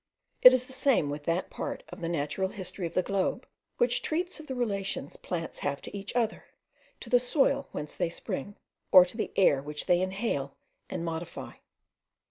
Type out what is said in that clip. It is the same with that part of the natural history of the globe which treats of the relations plants have to each other, to the soil whence they spring, or to the air which they inhale and modify.